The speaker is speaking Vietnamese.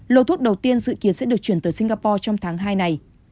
lô thuốc đầu tiên dự kiến sẽ được chuyển tới singapore trong tháng hai này